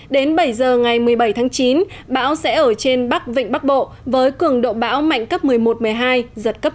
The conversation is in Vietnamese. đến bảy giờ ngày một mươi bảy tháng chín bão sẽ ở trên bắc vịnh bắc bộ với cường độ bão mạnh cấp một mươi một một mươi hai giật cấp chín